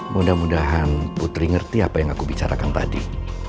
mudah mudahan putri ngerti apa yang aku bicarakan tadi